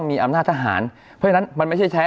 มีอำนาจทหารเพราะฉะนั้นมันไม่ใช่ใช้